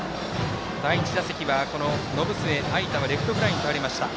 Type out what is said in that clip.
第１打席は延末藍太はレフトフライに倒れました。